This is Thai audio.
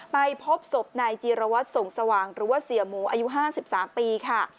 ไปพบศพนายจีรวัตรส่งสว่างหรือว่าเสียหมูอายุ๕๓ปีค่ะ